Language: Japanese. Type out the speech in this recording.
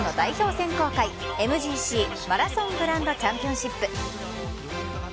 選考会ＭＧＣ＝マラソングランドチャンピオンシップ。